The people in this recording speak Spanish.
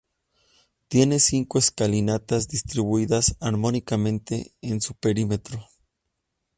Tiene cinco escalinatas distribuidas armónicamente en su perímetro.